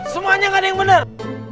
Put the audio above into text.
semuanya gak ada yang benar